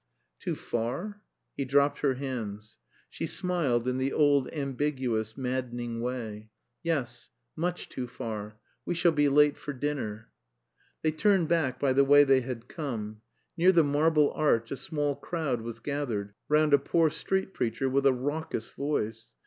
"Too far?" He dropped her hands. She smiled in the old ambiguous, maddening way. "Yes; much too far. We shall be late for dinner." They turned back by the way they had come. Near the Marble Arch a small crowd was gathered round a poor street preacher with a raucous voice.